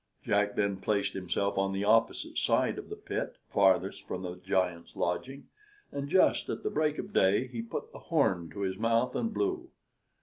Jack then placed himself on the opposite side of the pit, farthest from the giant's lodging, and, just at the break of day, he put the horn to his mouth, and blew.